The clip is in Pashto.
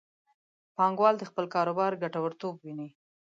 پانګوال د خپل کاروبار ګټورتوب ویني.